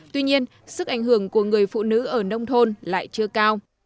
tuy nhiên sức ảnh hưởng của người phụ nữ ở nông thôn lại chưa cao